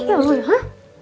keren ya lo ya